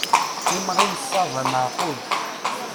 Imɣi n ṣṣaba meεqul.